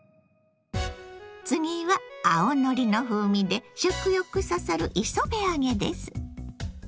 次は青のりの風味で食欲そそる磯辺揚げです。